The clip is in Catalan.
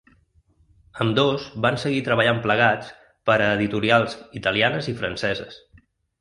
Ambdós van seguir treballant plegats per a editorials italianes i franceses.